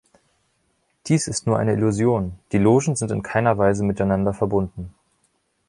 Dies ist nur eine Illusion; die Logen sind in keiner Weise miteinander verbunden.